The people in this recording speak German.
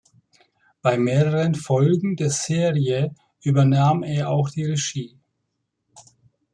Bei mehreren Folgen der Serie übernahm er auch die Regie.